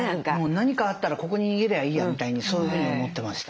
何かあったらここに逃げりゃいいやみたいにそういうふうに思ってました。